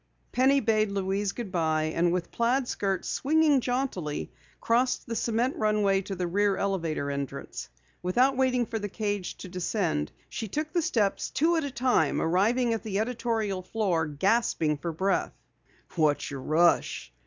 Penny bade Louise good bye, and with plaid skirt swinging jauntily, crossed the cement runway to the rear elevator entrance. Without waiting for the cage to descend, she took the steps two at a time, arriving at the editorial floor gasping for breath. "What's your rush?"